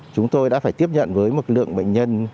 chúng tôi đã phải tiếp nhận với một lượng bệnh nhân